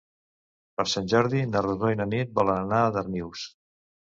Per Sant Jordi na Rosó i na Nit volen anar a Darnius.